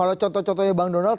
kalau contoh contohnya bang donald